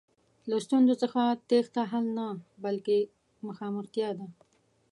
له ستونزو څخه تېښته حل نه، بلکې مخامختیا ده.